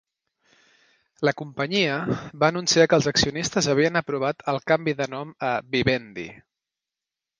La companyia va anunciar que els accionistes havien aprovat el canvi de nom a "Vivendi".